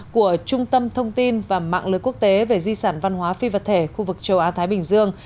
của trung tâm thông tin và mạng lưới quốc tế về di sản văn hóa phi vật thể khu vực châu á thái bình dương